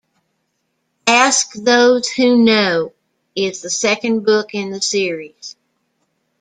"Ask Those Who Know" is the second book in the series.